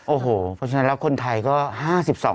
โอ้โหฉะนั้นแล้วคนไทยก็๕๒ล้านคน